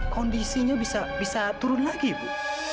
kondisinya bisa turun lagi ibu